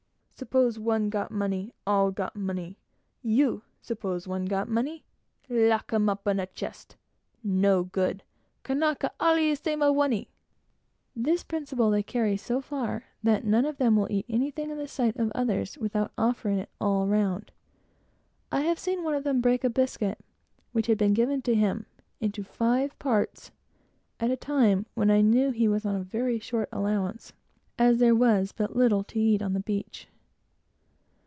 Suppose one got money, all got money. You; suppose one got money lock him up in chest. No good!" "Kanaka all 'e same a' one!" This principle they carry so far, that none of them will eat anything in the sight of others without offering it all round. I have seen one of them break a biscuit, which had been given him, into five parts, at a time when I knew he was on a very short allowance, as there was but little to eat on the beach.